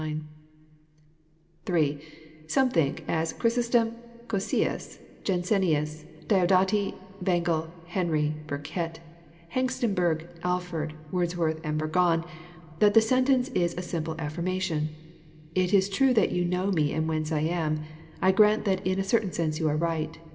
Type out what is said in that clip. (3) Some think, as Chrysostom, Cocceius, Jansenius, Di odati, Bengel, Henry, Burkitt, Hengstenberg, Alford, Words worth, and Burgon, that the sentence is is a simple affirmation :—" It is true that you know me and whence I am. I grant that in a certain sense you are right.